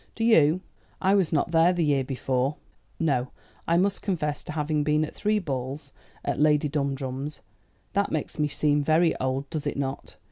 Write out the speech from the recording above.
Do you?" "I was not there the year before." "No? I must confess to having been at three balls at Lady Dumdrum's. That makes me seem very old, does it not?